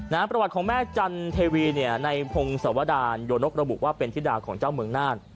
ประวัติของแม่จันเทวีเนี่ยในพงศวดารโยนกระบุว่าเป็นธิดาของเจ้าเมืองน่าน